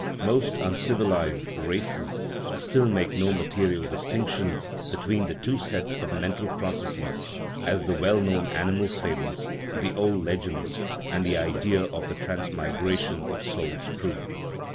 Most uncivilized races still make no material distinc tion between the two sets of mental processes, as the well known animal fables, the old legends, and the idea of the transmigration of souls prove.